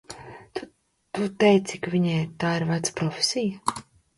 Vai tu teici ka viņai tā ir vecā profesija?